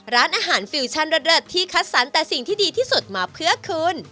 ร้านอาหารฟิวชั่นเลิศที่คัดสรรแต่สิ่งที่ดีที่สุดมาเพื่อคุณ